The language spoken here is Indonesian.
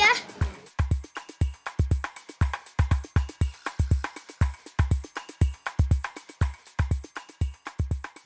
ya kita bisa ke sekolah